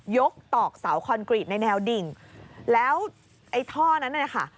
ตอกเสาคอนกรีตในแนวดิ่งแล้วไอ้ท่อนั้นน่ะนะคะ